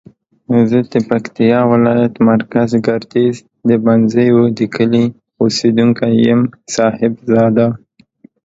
زه د پکتیاولایت مرکز ګردیز د بنزیو دکلی اوسیدونکی یم صاحب زاده